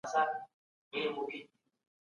شاه محمود د فرح آباد له ماڼۍ اصفهان ته راغی.